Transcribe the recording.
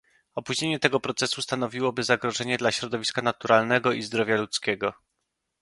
Opóźnienie tego procesu stanowiłoby zagrożenie dla środowiska naturalnego i zdrowia ludzkiego